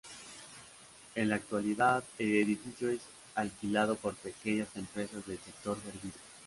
En la actualidad, el edificio es alquilado por pequeñas empresas del sector servicios.